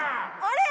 あれ？